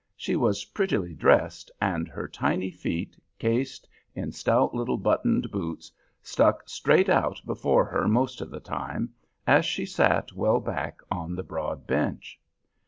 She was prettily dressed, and her tiny feet, cased in stout little buttoned boots, stuck straight out before her most of the time, as she sat well back on the broad bench.